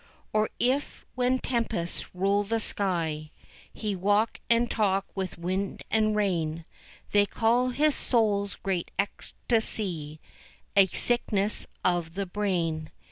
Or if when tempests rule the sky He walk and talk with wind and rain, They call his soul's great ecstacy A sickness of the brain.